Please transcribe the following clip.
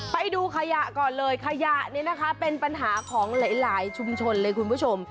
ไปดูขยะก่อนเลยขยะนี่นะคะเป็นปัญหาของหลายชุมชนเลยคุณผู้ชม